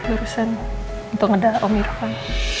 urusan untuk ngeda om irfan